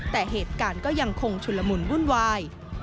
แต่เหตุการณ์ก็ยังคงชุนละมุนวุ่นวาย